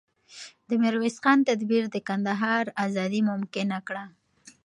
د میرویس خان تدبیر د کندهار ازادي ممکنه کړه.